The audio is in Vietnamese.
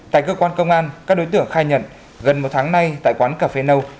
tại cơ quan công an các đối tượng khai nhận gần một tháng nay tại quán cà phê nâu